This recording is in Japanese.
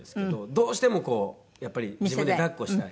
どうしてもこうやっぱり自分で抱っこしたい。